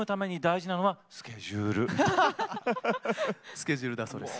スケジュールだそうです。